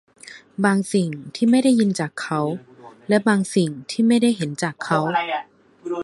บางสิ่งที่ไม่ได้ยินจากเขา และบางสิ่งที่ไม่ได้เห็นจากเขา